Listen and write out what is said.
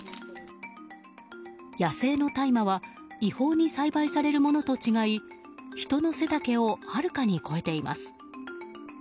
野生の大麻は違法に栽培されるものと違い人の背丈をはるかに超えています。